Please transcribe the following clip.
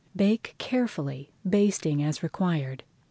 Bake carefully, basting as required.